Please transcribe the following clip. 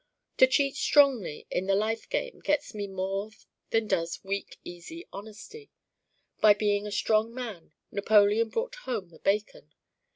To cheat strongly in the life game gets me more than does Weak easy honesty. By being a strong man Napoleon brought home the bacon.